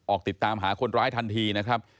ออกติดตามหาคนร้ายทันทีนะครับ